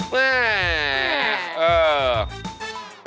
แม่แม่เออแม่